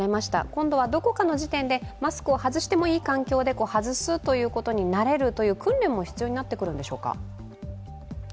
今度はどこかの時点で、マスクを外してもいい環境で外すということに慣れるという訓練も必要になってくるんでしょうか？